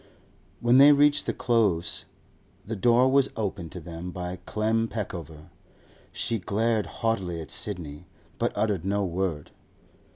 When they reached the Close, the door was opened to them by Clem Peckover. She glared haughtily at Sidney, but uttered no word.